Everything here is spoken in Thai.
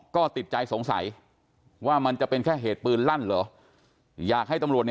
ก็ติดใจสงสัยว่ามันจะเป็นแค่เหตุปืนลั่นเหรออยากให้ตำรวจ